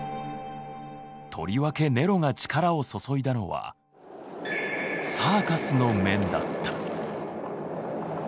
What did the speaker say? とりわけネロが力を注いだのは「サーカス」の面だった。